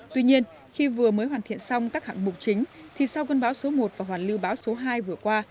tuy nhiên khi vừa mới hoàn thiện xong các hạng mục chính thì sau cơn bão số một và hoàn lưu bão số hai vừa qua